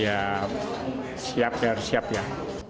ya siap ya harus siap ya